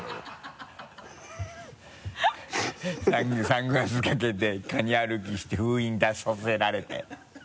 サングラスかけてカニ歩きして封印出させられて。